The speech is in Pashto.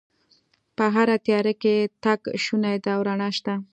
په هره تیاره کې تګ شونی دی او رڼا شته